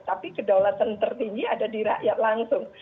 tapi kedaulatan tertinggi ada di rakyat langsung